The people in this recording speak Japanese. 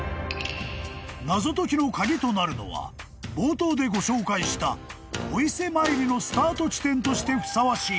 ［謎解きの鍵となるのは冒頭でご紹介したお伊勢参りのスタート地点としてふさわしい